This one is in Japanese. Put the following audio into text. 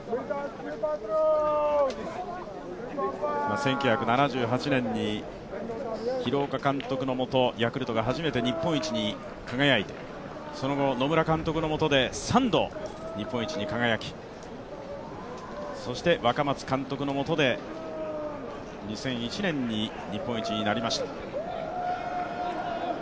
１９７８年に廣岡監督のもと、ヤクルトが初めて日本一に輝いてその後、野村監督のもとで３度、日本一に輝き、若松監督のもとで２００１年に日本一になりました。